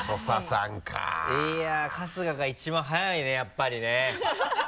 春日が一番早いねやっぱりね。